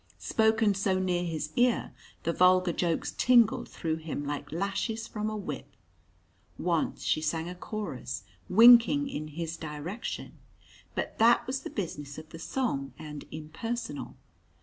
Spoken so near his ear, the vulgar jokes tingled through him like lashes from a whip. Once she sang a chorus, winking in his direction. But that was the business of the song, and impersonal.